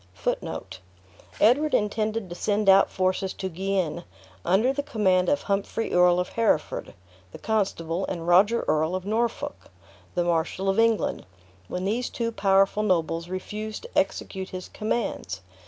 Edward intended to send out forces to Guienne, under the command of Humphrey Earl of Hereford, the constable, and Roger Earl of Norfolk, the Marshal of England, when these two powerful nobles refused to execute his commands.